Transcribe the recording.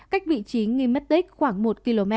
cách vị trí nghi mất tích khoảng một km